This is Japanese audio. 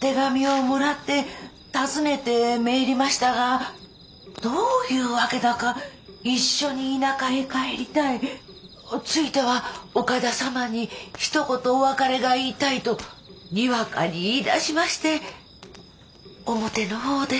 手紙をもらって訪ねてめえりましたがどういう訳だか一緒に田舎へ帰りたいついては岡田様にひと言お別れが言いたいとにわかに言いだしまして表の方で。